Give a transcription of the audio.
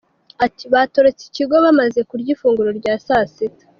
Ati “Batorotse ikigo bamaze kurya ifunguro rya saa sita.